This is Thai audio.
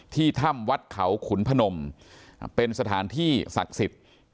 ถ้ำวัดเขาขุนพนมเป็นสถานที่ศักดิ์สิทธิ์